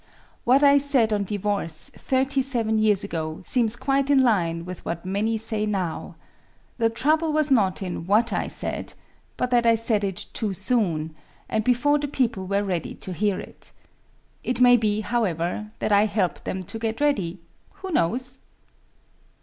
What I said on divorce thirty seven years ago seems quite in line with what many say now. The trouble was not in what I said, but that I said it too soon, and before the people were ready to hear it. It may be, however, that I helped them to get ready; who knows?